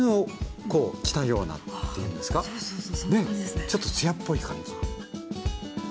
ちょっと艶っぽい感じの。